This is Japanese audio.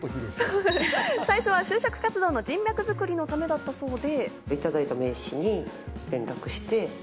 最初は就職活動の人脈作りのためだったそうで。